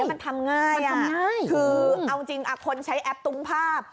แบบนี้มันทำง่ายคือเอาจริงอ่ะคนใช้แอปตุ้งภาพ